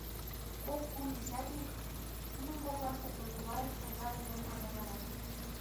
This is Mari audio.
Кок-кум десятник, нунын коклаштак Эргуваев, оза воктен азапланат.